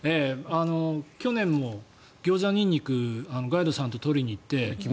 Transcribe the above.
去年もギョウジャニンニクをガイドさんと採りに行って。